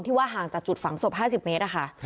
ว่าห่างจากจุดฝังศพ๕๐เมตรนะคะ